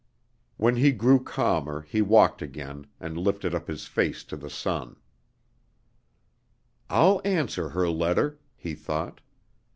When he grew calmer he walked again, and lifted up his face to the sun. "I'll answer her letter," he thought.